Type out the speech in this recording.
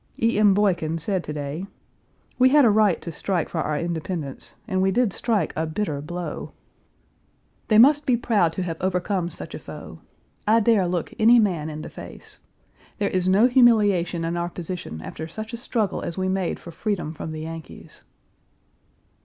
E. M. Boykin said to day: "We had a right to strike for our independence, and we did strike a bitter blow. Page 390 They must be proud to have overcome such a foe. I dare look any man in the face. There is no humiliation in our position after such a struggle as we made for freedom from the Yankees."